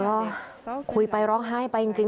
นี่ค่ะเธอก็คุยไปร้องไห้ไปจริง